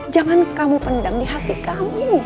jangan kamu pendam di hati kami